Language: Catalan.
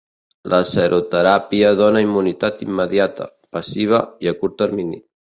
La seroteràpia dóna immunitat immediata, passiva i a curt termini.